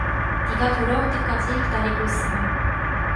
네가 돌아올 때까지 기다리고 있으마!